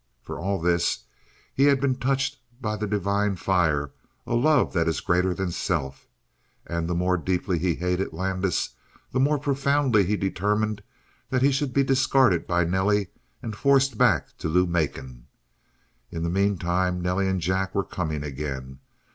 For all this, he had been touched by the divine fire a love that is greater than self. And the more deeply he hated Landis, the more profoundly he determined that he should be discarded by Nelly and forced back to Lou Macon. In the meantime, Nelly and Jack were coming again.